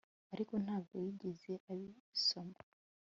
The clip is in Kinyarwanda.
ariko ntabwo yigeze abisoma